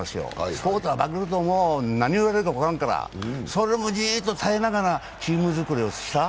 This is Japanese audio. スポーツは負けると何を言われるかわからんから、それもじっと耐えながらチーム作りをした。